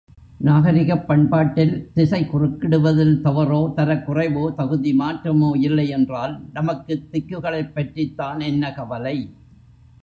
நாகரிகப் பண்பாட்டில் திசை குறுக்கிடுவதில் தவறோ, தரக்குறைவோ, தகுதி மாற்றமோ இல்லையென்றால், நமக்குத் திக்குகளைப் பற்றித்தான் என்ன கவலை?